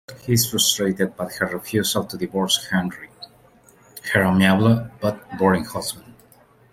He is frustrated by her refusal to divorce Henry, her amiable but boring husband.